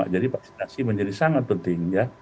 jadi vaksinasi menjadi sangat penting